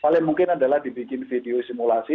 paling mungkin adalah dibikin video simulasi